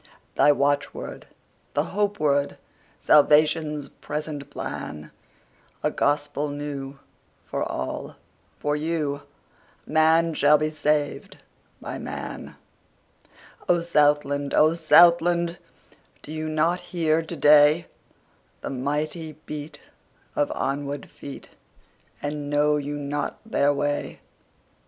The watchword, the hope word, Salvation's present plan?A gospel new, for all—for you:Man shall be saved by man.O Southland! O Southland! Do you not hear to dayThe mighty beat of onward feet, And know you not their way?